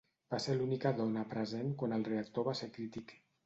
Va ser l'única dona present quan el reactor va ser crític.